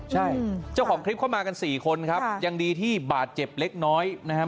ใช่เจ้าของคลิปเข้ามากันสี่คนครับยังดีที่บาดเจ็บเล็กน้อยนะครับ